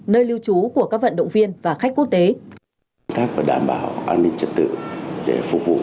nơi lưu trú của các vận động viên và khách quốc tế